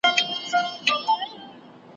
د تیږو او ماڼیو په ساتلو نه خوندي کیږي